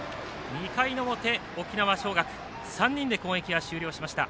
２回の表、沖縄尚学３人で攻撃が終了しました。